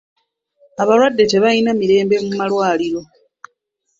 Abalwadde tebalina mirembe mu malwaliro.